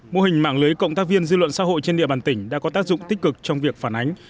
mô hình mạng lưới cộng tác viên dư luận xã hội trên địa bàn tỉnh đã có tác dụng tích cực trong việc phản ánh